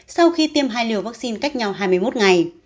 sau khi tiêm hai liều vắc xin cách nhau hai mươi một ngày